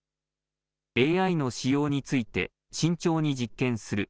ＡＩの使用について、慎重に実験する。